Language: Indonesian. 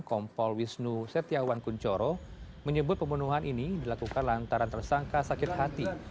kompol wisnu setiawan kunchoro menyebut pembunuhan ini dilakukan lantaran tersangka sakit hati